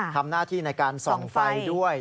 ทำหน้าที่ในการส่องไฟด้วย